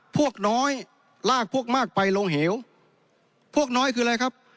พวกน้อยลากพวกมากไปลงเหวพวกน้อยคืออะไรครับ